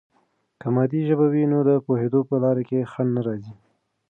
که مادي ژبه وي، نو د پوهیدو په لاره کې خنډ نه راځي.